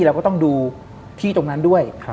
เราก็ต้องดูที่ตรงนั้นด้วย